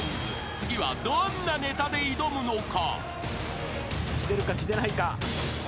次はどんなネタで挑むのか？］